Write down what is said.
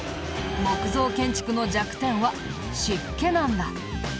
木造建築の弱点は湿気なんだ。